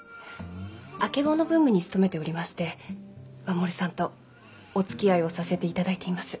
あけぼの文具に勤めておりまして護さんとお付き合いをさせていただいています。